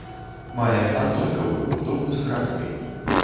Мае аднолькавую будову з градой.